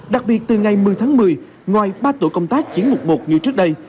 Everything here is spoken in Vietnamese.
đặc biệt từ ngày một mươi tháng một mươi ngoài ba tổ công tác chiến mục một như trước đây